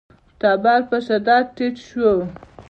تبر په شدت ټيټ شو.